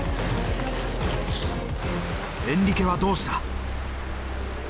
エンリケはどうした。